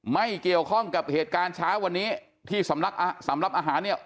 ไม่เกี่ยวข้องกับเหตุการณ์เช้าวันนี้ที่สำนักสำหรับอาหารเนี่ย